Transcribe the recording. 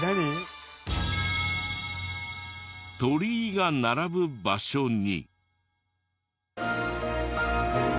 鳥居が並ぶ場所に。